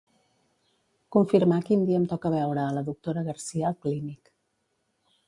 Confirmar quin dia em toca veure a la doctora Garcia al Clínic.